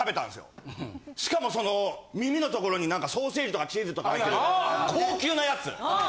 しかもその耳のところに何かソーセージとかチーズとか入ってる高級なやつ。